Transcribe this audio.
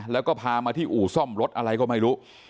แล้วก็พามาที่อู่ซ่อมรถอะไรก็ไม่รู้